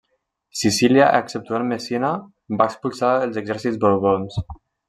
Sicília exceptuant Messina, va expulsar els exèrcits Borbons.